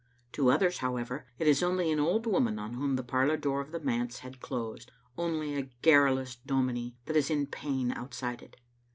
To others, however, it is only an old woman on whom the parlor door of the manse has closed, only a garru lous dominie that is in pain outside it.